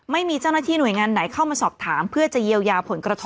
ไม่มีเจ้าหน้าที่หน่วยงานไหนเข้ามาสอบถามเพื่อจะเยียวยาผลกระทบ